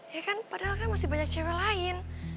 ya kan padahal kan masih banyak cewek lain